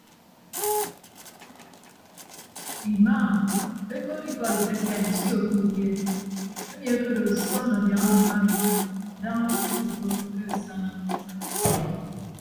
Imaa ekood ikọd etefia isio ke udi e emi akedo osoon adiaha mma arid daña okoppo ke asana asakka.